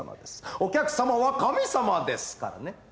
お客さまは神様ですからね。